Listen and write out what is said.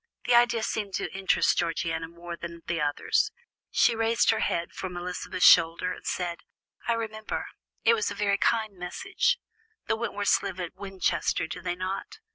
The idea seemed to interest Georgiana more than the others. She raised her head from Elizabeth's shoulder, and said: "I remember; it was a very kind message. The Wentworths live at Winchester, do they not?"